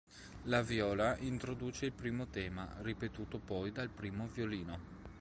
La viola introduce il primo tema, ripetuto poi dal primo violino.